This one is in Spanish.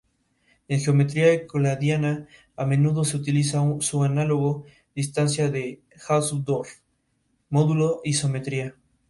En geometría euclidiana a menudo se utiliza su análogo, distancia de Hausdorff módulo isometría.